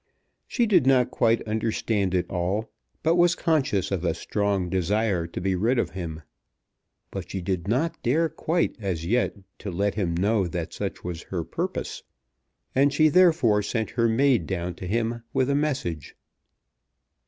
She did not quite understand it all, but was conscious of a strong desire to be rid of him. But she did not dare quite as yet to let him know that such was her purpose, and she therefore sent her maid down to him with a message.